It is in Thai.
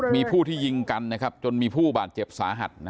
มีผู้ที่ยิงกันจนมีผู้บาดเจ็บสาหัส